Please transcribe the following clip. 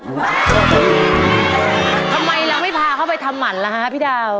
ทำไมเราไม่พาเขาไปทำหมันล่ะฮะพี่ดาว